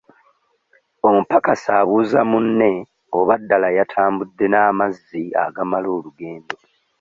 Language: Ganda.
Omupakasi abuuza munne oba ddala yatambudde n'amazzi agamala olugendo.